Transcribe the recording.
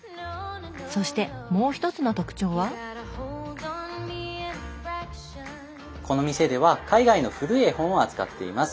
そしてもう一つの特徴はこの店では海外の古い絵本を扱っています。